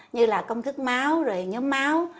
như là công thức máu rồi nhóm máu